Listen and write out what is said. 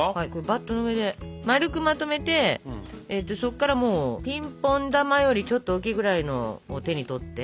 バットの上で丸くまとめてそっからもうピンポン球よりちょっと大きいぐらいのを手に取って。